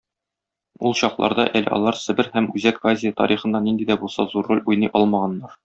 Ул чакларда әле алар Себер һәм Үзәк Азия тарихында нинди дә булса зур роль уйный алмаганнар.